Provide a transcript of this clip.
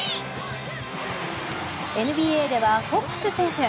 ＮＢＡではフォックス選手。